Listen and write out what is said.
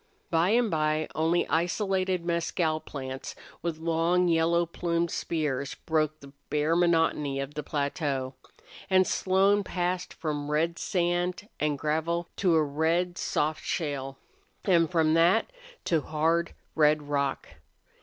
By and by only isolated mescal plants with long, yellow plumed spears broke the bare monotony of the plateau. And Slone passed from red sand and gravel to a red, soft shale, and from that to hard, red rock.